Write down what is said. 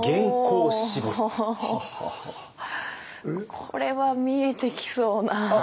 これは見えてきそうな。